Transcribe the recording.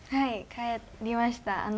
帰りました。